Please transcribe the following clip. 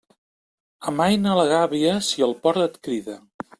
Amaina la gàbia, si el port et crida.